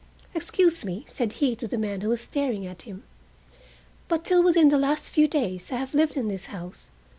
"Excuse me," said he to the man who was staring at him, "but till within the last few days I have lived in this house.